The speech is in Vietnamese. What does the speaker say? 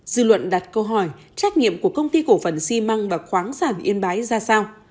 dư luận đặt câu hỏi trách nhiệm của công ty cổ phần xi măng và khoáng sản yên bái ra sao